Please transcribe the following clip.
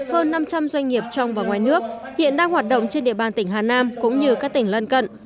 hơn năm trăm linh doanh nghiệp trong và ngoài nước hiện đang hoạt động trên địa bàn tỉnh hà nam cũng như các tỉnh lân cận